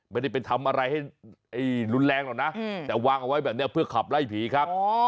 ไม่ได้ไปทำอะไรให้รุนแรงหรอกนะแต่วางเอาไว้แบบนี้เพื่อขับไล่ผีครับ